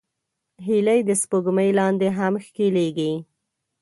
هیلۍ د سپوږمۍ لاندې هم ښکليږي